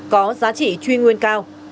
có giá trị truy nguyên cao